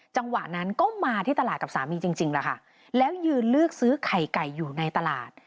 จังหวะนั้นก็มาที่ตลาดกับสามีจริงจริงแล้วค่ะแล้วยืนเลือกซื้อไข่ไก่อยู่ในตลาด